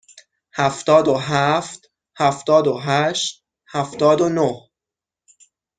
هفتاد و هفت، هفتاد و هشت، هفتاد و نه.